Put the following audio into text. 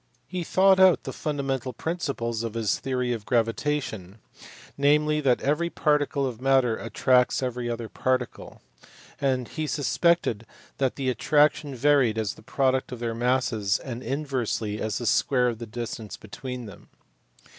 He thought out the fundamental principles of his theory of gravitation, namely, that every particle of matter attracts every other particle, and he suspected that the attrac tion varied as the product of their masses and inversely as the square of the distance between them.